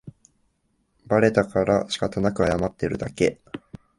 バレたからしかたなく謝ってるだけ